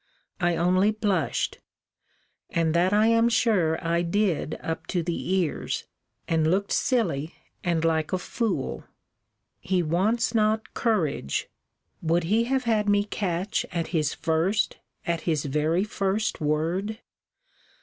I only blushed; and that I am sure I did up to the ears; and looked silly, and like a fool. He wants not courage. Would he have had me catch at his first, at his very first word?